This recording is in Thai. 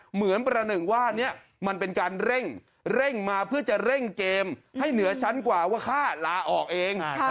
เหมือนประหนึ่งว่านี้มันเป็นการเร่งมาเพื่อจะเร่งเกมให้เหนือชั้นกว่าว่าค่าลาออกเอง